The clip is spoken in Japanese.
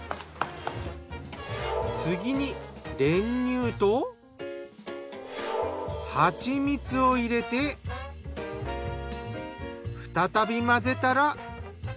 次に練乳とはちみつを入れて再び混ぜたら。